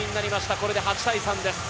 これで８対３です。